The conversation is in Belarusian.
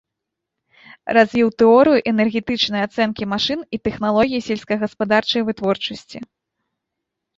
Развіў тэорыю энергетычнай ацэнкі машын і тэхналогій сельскагаспадарчай вытворчасці.